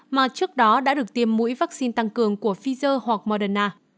mà trước đó đã được tiêm mũi vaccine tăng cường của pfizer hoặc moderna